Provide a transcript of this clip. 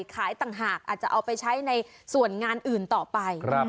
ต่างหากอาจจะเอาไปใช้ในส่วนงานอื่นต่อไป